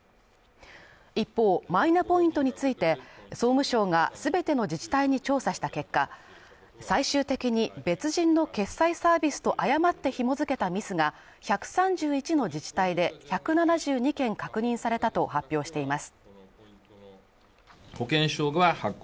一方、マイナポイントについて総務省が全ての自治体に調査した結果、最終的に別人の決済サービスと誤って紐づけたミスが１３１の自治体で１７２件確認されたと発表しています。